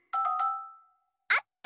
あった！